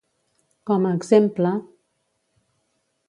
Com a exemple...